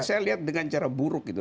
saya lihat dengan cara buruk gitu